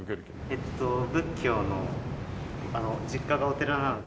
えっと仏教の実家がお寺なので。